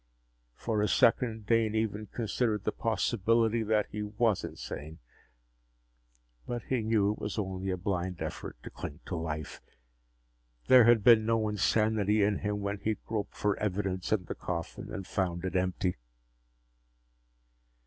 For a second, Dane even considered the possibility that he was insane. But he knew it was only a blind effort to cling to life. There had been no insanity in him when he'd groped for evidence in the coffin and found it empty!